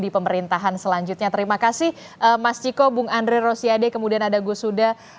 di pemerintahan selanjutnya terima kasih mas ciko bung andre rosiade kemudian ada gusuda